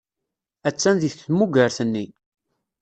Attan deg tmugert-nni.